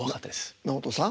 直人さん